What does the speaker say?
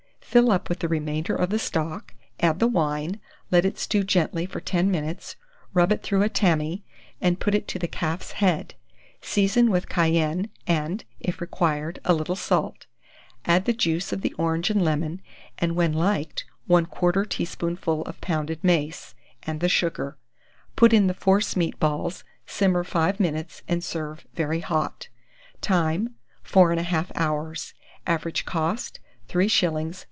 Fill up with the remainder of the stock, add the wine, let it stew gently for 10 minutes, rub it through a tammy, and put it to the calf's head; season with cayenne, and, if required, a little salt; add the juice of the orange and lemon; and when liked, 1/4 teaspoonful of pounded mace, and the sugar. Put in the force meat balls, simmer 5 minutes, and serve very hot. Time. 4 1/2 hours. Average cost, 3s.